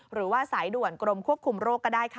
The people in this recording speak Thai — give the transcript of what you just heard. หรือว่าสายด่วนกรมควบคุมโรคก็ได้ค่ะ